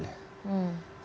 jadi kita harus berpikir